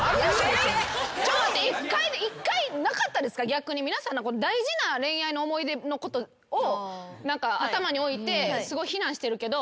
逆に皆さん大事な恋愛の思い出のことを頭に置いてすごい非難してるけど。